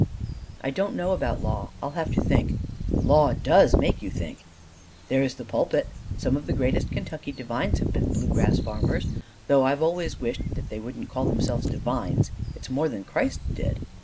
"I don't know about law: I'll have to think: law does make you think!" "There is the pulpit: some of the greatest Kentucky divines have been bluegrass farmers though I've always wished that they wouldn't call themselves divines. It's more than Christ did!"